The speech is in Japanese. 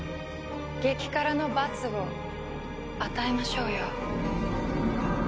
激辛の罰を与えましょうよ。